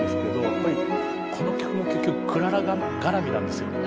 やっぱりこの曲も結局クララがらみなんですよ。